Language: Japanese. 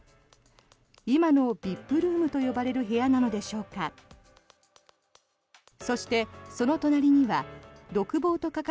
今のＶＩＰルームと呼ばれる部屋なのでしょうか。